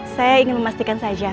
saya ingin memastikan saja